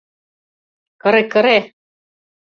Кыре-кыре...